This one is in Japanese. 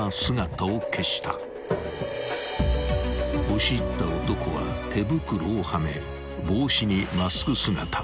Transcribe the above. ［押し入った男は手袋をはめ帽子にマスク姿］